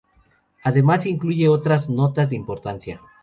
Además, incluye otras notas de importancia.